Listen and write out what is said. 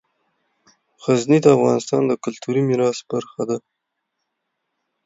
غزني د افغانستان د کلتوري میراث برخه ده.